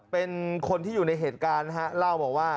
เป็นคนที่อยู่ในเหตุการณ์นะฮะเล่าบอกว่า